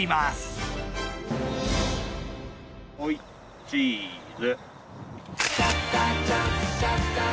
はいチーズ。